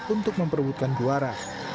untuk memperbutkan juara